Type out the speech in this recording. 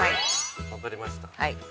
◆分かりました。